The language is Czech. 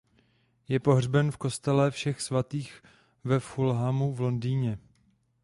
Je pohřben v Kostele všech svatých ve Fulhamu v Londýně.